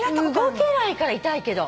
動けないから痛いけど。